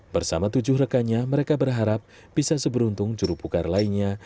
bersama tujuh rekannya mereka berharap bisa seberuntung juru pugar lainnya